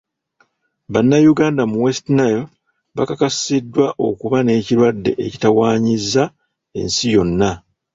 Bannayuganda mu West Nile bakakasiddwa okuba n'ekirwadde ekitawaanyizza ensi yonna.